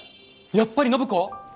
やっぱり暢子？